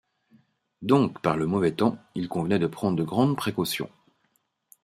Donc, par le mauvais temps, il convenait de prendre de grandes précautions.